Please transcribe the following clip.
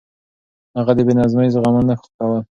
هغه د بې نظمي زغمل نه غوښتل.